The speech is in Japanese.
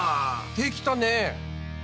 できたね！